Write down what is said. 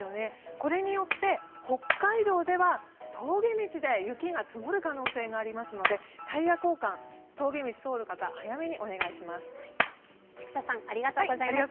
これによって、北海道では峠道で雪が積もる可能性がありますのでタイヤ交換、峠道通る方、早めにお願いします。